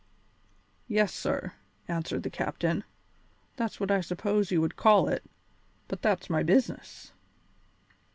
"Yes, sir," answered the captain, "that's what I suppose you would call it; but that's my business."